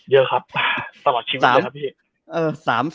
เยอะครับตลอดชีวิตเลยครับพี่